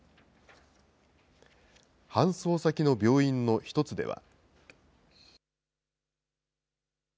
搬送先の病院の一つでは。